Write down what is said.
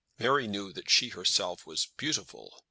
Mary knew that she, herself, was beautiful.